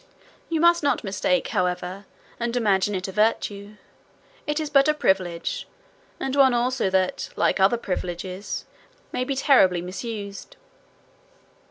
You must not mistake, however, and imagine it a virtue; it is but a privilege, and one also that, like other privileges, may be terribly misused.